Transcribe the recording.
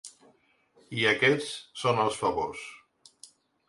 I aquests són els favors.